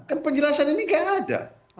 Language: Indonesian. kan penjelasan ini gak ada